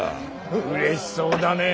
うれしそうだねえ。